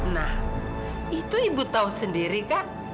nah itu ibu tahu sendiri kan